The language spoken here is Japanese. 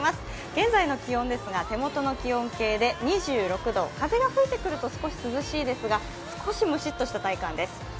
現在の気温ですが手元の気温計で２６度風が吹いてくると少し涼しいですが少しむしっとした体感です。